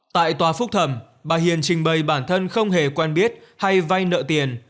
tại tòa phúc thẩm bà hiền trình bày bản thân không hề quen biết hay vay nợ tiền